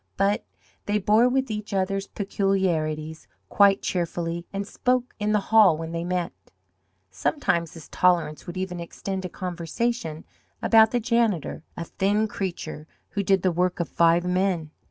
But they bore with each other's peculiarities quite cheerfully and spoke in the hall when they met. Sometimes this tolerance would even extend to conversation about the janitor, a thin creature who did the work of five men.